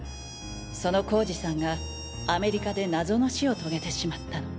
その浩司さんがアメリカで謎の死をとげてしまったの。